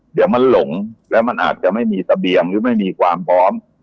เดี๋ยวมันหลงแล้วมันอาจจะไม่มีเสบียงหรือไม่มีความพร้อม